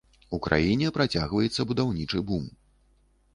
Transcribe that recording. У краіне працягваецца будаўнічы бум.